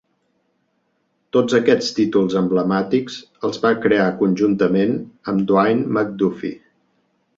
Tots aquests títols emblemàtics els va crear conjuntament amb Dwayne McDuffie.